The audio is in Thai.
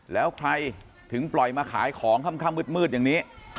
แล้วใครถึงปล่อยมาขายของค่ำมืดอย่างนี้